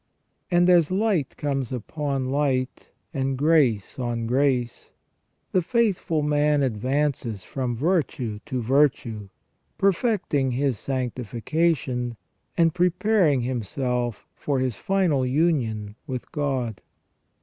And as light comes upon light, and grace on grace, the faithful man advances from virtue to virtue, perfecting his sanctification, and preparing himself for his final union with God.